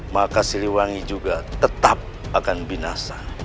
maka siliwangi juga tetap akan binasa